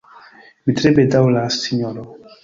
Mi tre bedaŭras, Sinjoro.